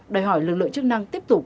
đòi hỏi lực lượng chức năng tiếp tục